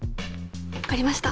分かりました。